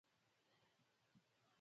یوه پوځي نارې کړې: موږ کورونو ته ځو.